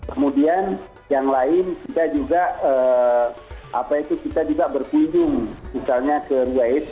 kemudian yang lain kita juga berkunjung misalnya ke ruwayat